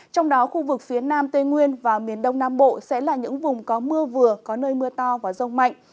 trong đó khu vực phía nam tây nguyên và miền đông nam bộ sẽ là những vùng có mưa vừa có nơi mưa to và rông mạnh